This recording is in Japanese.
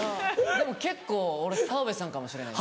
でも結構俺澤部さんかもしれない。